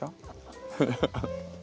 ハハハッ。